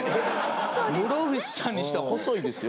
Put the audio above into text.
室伏さんにしては細いですよ